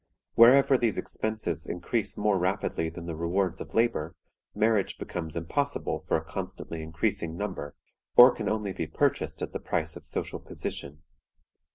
Wherever these expenses increase more rapidly than the rewards of labor, marriage becomes impossible for a constantly increasing number, or can only be purchased at the price of social position.